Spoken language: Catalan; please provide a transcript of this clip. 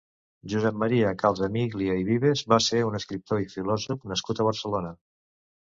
Josep Maria Calsamiglia i Vives va ser un escriptor i filòsof nascut a Barcelona.